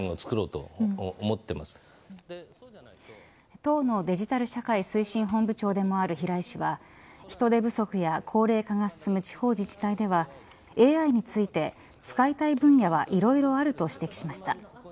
党のデジタル社会推進本部長でもある平井氏は人手不足や高齢化が進む地方自治体ではＡＩについて使いたい分野はいろいろあると指摘しました。